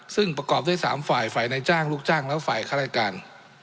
ซึ่งประกอบด้วย๓ฝ่ายฝ่ายในจ้างลูกจ้างและฝ่ายข้าราชการ